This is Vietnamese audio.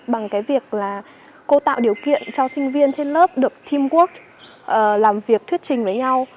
bằng cái việc là cô tạo điều kiện cho sinh viên trên lớp được teamwork làm việc thuyết trình với nhau